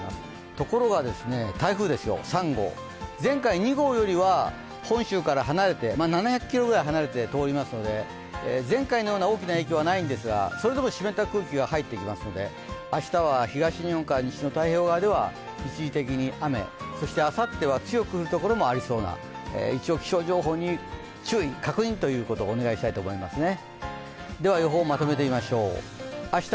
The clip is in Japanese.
ところが、台風３号、前回２号よりは本州から７００ｋｍぐらい離れて通りますので前回のような大きな影響はないんですがそれでも湿った空気が入ってくるんで明日は東日本から西の太平洋側では一時的に雨、そしてあさっては強く降るところもありそうな、一応、気象情報に注意、確認ということをお願いしたいですね。